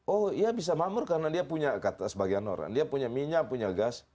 oh ya bisa makmur karena dia punya minyak punya gas